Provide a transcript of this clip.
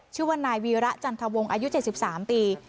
ชื่อว่านายวีระจันทวงอายุเจ็บสิบสามปี